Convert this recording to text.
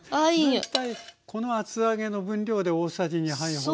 大体この厚揚げの分量で大さじ２杯ほど？